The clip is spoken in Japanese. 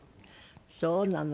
そうなの。